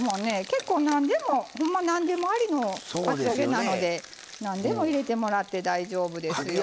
結構何でもほんま何でもありのかき揚げなので何でも入れてもらって大丈夫ですよ。